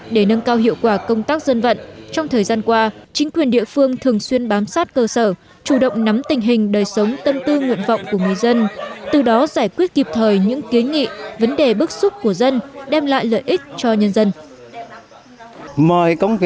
để nâng cao hiệu quả công tác dân vận trong thời gian qua chính quyền địa phương thường xuyên bám sát cơ sở chủ động nắm tình hình đời sống tâm tư nguyện vọng của người dân từ đó giải quyết kịp thời những kiến nghị vấn đề bức xúc của dân đem lại lợi ích cho nhân dân